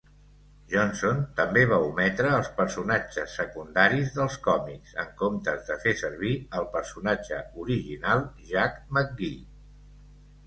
Johnson també va ometre els personatges secundaris dels còmics, en comptes de fer servir el personatge original Jack McGee.